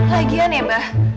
lagian ya bah